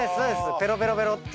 ペロペロペロッて。